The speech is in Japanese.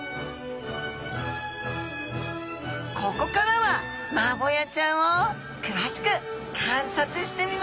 ここからはマボヤちゃんを詳しく観察してみましょう！